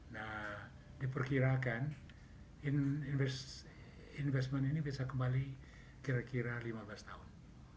nah diperkirakan investment ini bisa kembali kira kira lima belas tahun